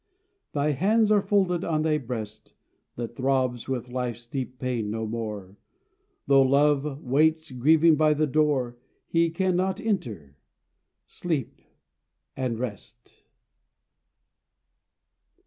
Thy hands are folded on thy breast That throbs with Life's deep pain no more. Though Love waits grieving by thy door, He cannot enter, sleep and rest.